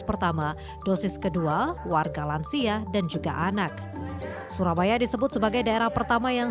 pertama dosis kedua warga lansia dan juga anak surabaya disebut sebagai daerah pertama yang